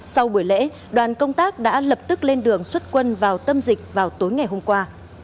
sau buổi lễ đoàn công tác đã lập tức lên đường xuất quân vào tâm dịch vào tối ngày hôm qua